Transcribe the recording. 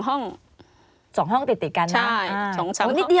๒ห้องติดกันนะ